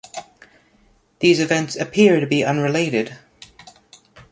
The events appear to be unrelated.